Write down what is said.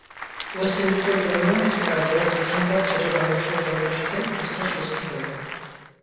West ইন্ডিজের জন্য যেটা দুঃসংবাদ, সেটাই বাংলাদেশের জন্য এসেছে কিছুটা স্বস্তি হয়ে।